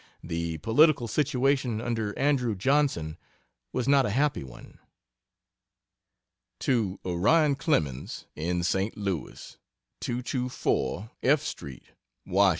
The political situation under Andrew Johnson was not a happy one. To Orion Clemens, in St. Louis: 224 F. STREET, WASH.